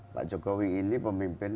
pak jokowi ini pemimpin